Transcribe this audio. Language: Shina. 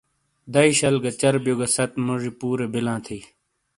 دئی شل گہ چربیوگہ ست موجی پورے بلاں تھیئ